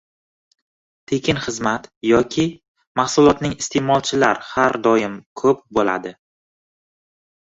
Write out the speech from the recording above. Tekin xizmat yoki mahsulotning iste’molchilari har doim ko’p bo’ladi